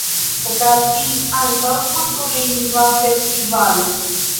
Okazis ankaŭ kultur-lingva festivalo.